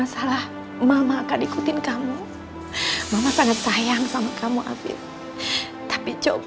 sengkapan tahun seperti ini